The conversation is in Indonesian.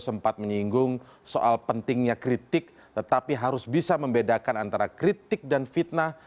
sempat menyinggung soal pentingnya kritik tetapi harus bisa membedakan antara kritik dan fitnah